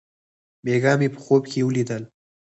بېګاه مې په خوب کښې وليدل.